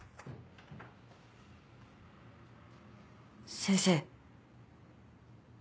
先生。